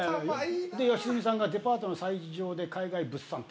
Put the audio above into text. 良純さんが「デパートの催事場で海外物産展」。